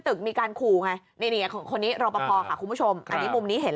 แต่เขาบอกว่าเราประพอคือเรามองอยู่ไม่เห็น